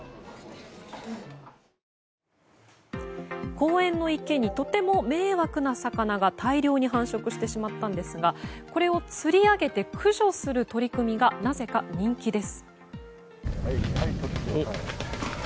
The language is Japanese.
公園の池にとても迷惑な魚が大量に繁殖してしまったんですがこれを釣り上げて駆除する取り組みがなぜか人気です。